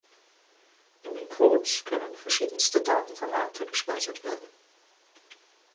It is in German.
In den Codes können verschiedenste Datenformate gespeichert werden.